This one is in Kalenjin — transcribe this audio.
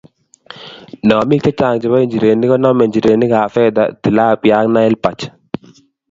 Nomik chechang chebo njirenik konomei njirenikab fedha, tilapia ak Nile perch